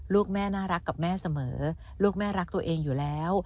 ลูกแม่น่ารักกับแม่เสมอลูกแม่รักตัวเองอยู่แล้ว